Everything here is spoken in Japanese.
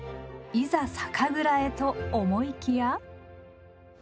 いざ酒蔵へと思いきや。